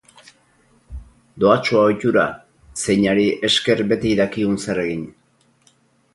Dohatsua ohitura, zeinari esker beti dakigun zer egin.